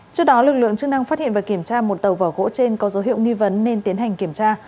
trước đó lực lượng chức năng phát hiện và kiểm tra một tàu vỏ gỗ trên có dấu hiệu nghi vấn nên tiến hành kiểm tra